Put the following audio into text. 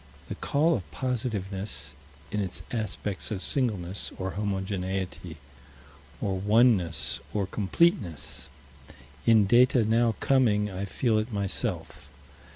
The call of positiveness, in its aspects of singleness, or homogeneity, or oneness, or completeness. In data now coming, I feel it myself.